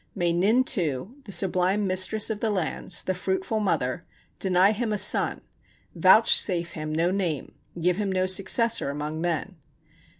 May Nin tu, the sublime mistress of the lands, the fruitful mother, deny him a son, vouchsafe him no name, give him no successor among men.